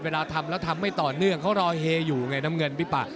เวลาทำแล้วทำไม่ต่อเนื่องเขารอเฮอยู่ไงน้ำเงินพี่ปะ